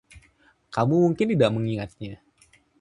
Kamu mungkin tidak mengingatnya.